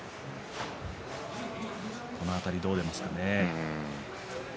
この辺り、どう出ますかね。